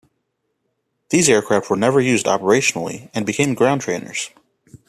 These aircraft were never used operationally and became ground trainers.